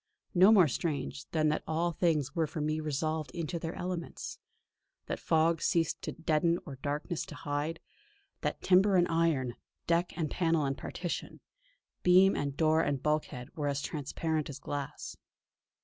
No more strange, than that all things were for me resolved into their elements; that fog ceased to deaden or darkness to hide; that timber and iron, deck and panel and partition, beam and door and bulkhead were as transparent as glass.